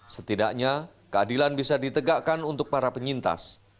setidaknya keadilan bisa ditegakkan untuk para penyintas